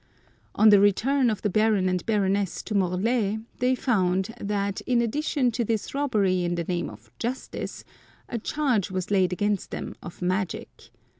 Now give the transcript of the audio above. On the return of the Baron and Baroness to Morlaix they found that, in addition to this robbery in the name of justice, a charge was laid against them of magic.